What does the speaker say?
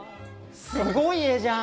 すごい画じゃん！